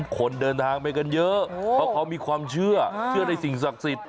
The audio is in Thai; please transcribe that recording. คนเดินทางไปกันเยอะเพราะเขามีความเชื่อเชื่อในสิ่งศักดิ์สิทธิ